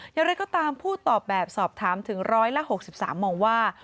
อย่างไรก็ตามผู้ตอบแบบสอบถามถึง๑๖๓มองว่า